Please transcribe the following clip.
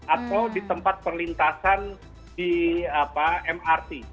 atau di tempat perlintasan di mrt